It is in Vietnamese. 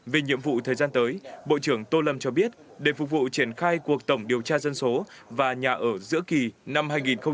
về nhiệm vụ thời gian tới bộ trưởng tô lâm cho biết để phục vụ triển khai cuộc tổng điều tra dân số và nhà ở giữa kỳ năm hai nghìn một mươi chín